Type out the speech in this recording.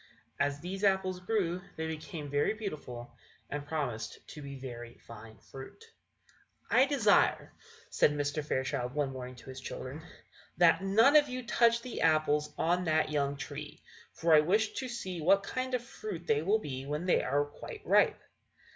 As these apples grew they became very beautiful, and promised to be very fine fruit. "I desire," said Mr. Fairchild, one morning, to his children, "that none of you touch the apples on that young tree, for I wish to see what kind of fruit they will be when they are quite ripe."